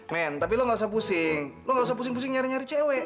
men tapi lo gak usah pusing lo gak usah pusing pusing nyari nyari cewek